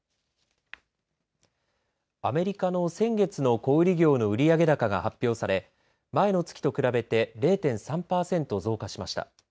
アメリカの先月の小売業の売上高が発表され前の月と比べて０．３パーセント増加しました。